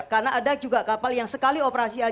karena ada juga kapal yang sekali operasi